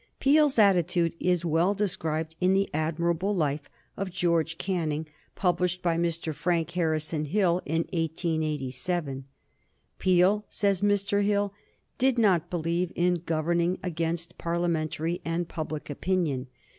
Peel's attitude is well described in the admirable life of George Canning published by Mr. Frank Harrison Hill in 1887. "Peel," says Mr. Hill, "did not believe in governing against Parliamentary and public opinion."